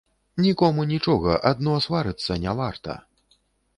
Нікому нічога, адно сварыцца не варта.